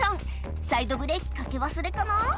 サイドブレーキかけ忘れかな？